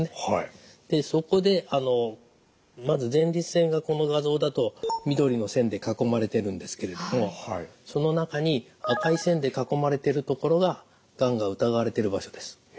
そこでまず前立腺がこの画像だと緑の線で囲まれてるんですけれどもその中に赤い線で囲まれてる所ががんが疑われてる場所です。